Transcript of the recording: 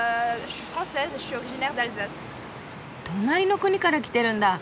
隣の国から来てるんだ。